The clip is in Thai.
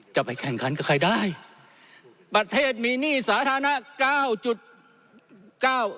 จะไปแข่งขันกับใครได้ประเทศมีหนี้สาธารณะเก้าจุดเก้า